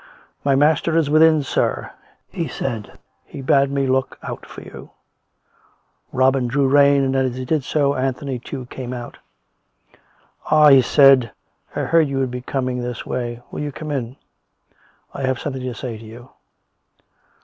" My master is within, sir," he said; "he bade me look out for you." ■ Robin drew rein, and as he did so, Anthony, too, came out. " Ah !" he said. " I heard you would be coming this way. Will you come in? I have something to say to you."